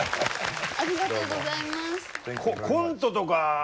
ありがとうございます。